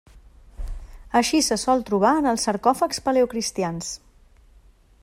Així se sol trobar en els sarcòfags paleocristians.